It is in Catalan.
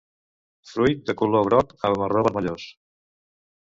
Fruit de color groc a marró vermellós.